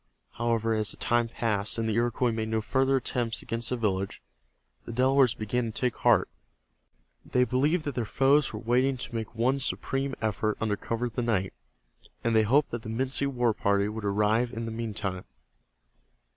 However, as the time passed, and the Iroquois made no further attempts against the village, the Delawares began to take heart. They believed that their foes were waiting to make one supreme effort under cover of the night, and they hoped that the Minsi war party would arrive in the meantime.